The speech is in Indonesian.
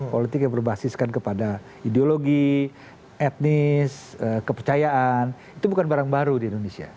politik yang berbasiskan kepada ideologi etnis kepercayaan itu bukan barang baru di indonesia